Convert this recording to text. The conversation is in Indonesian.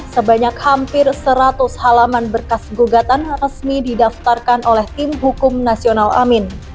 sebanyak hampir seratus halaman berkas gugatan resmi didaftarkan oleh tim hukum nasional amin